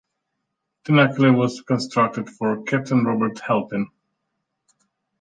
Tinakilly was constructed for Captain Robert Halpin.